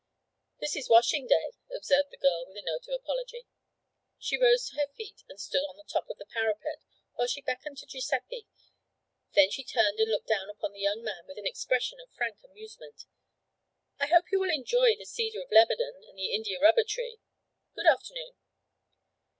'This is washing day,' observed the girl with a note of apology. She rose to her feet and stood on the top of the parapet while she beckoned to Giuseppe, then she turned and looked down upon the young man with an expression of frank amusement. 'I hope you will enjoy the cedar of Lebanon and the india rubber tree. Good afternoon.'